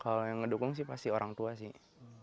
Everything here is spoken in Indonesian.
kalau yang ngedukung sih pasti orang tua sih